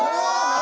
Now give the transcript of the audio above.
何？